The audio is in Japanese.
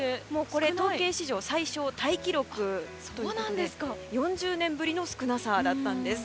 これ、統計史上最少タイ記録ということで４０年ぶりの少なさだったんです。